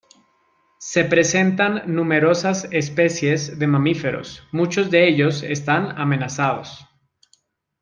Se presentan numerosas especies de mamíferos; muchos de ellos están amenazados.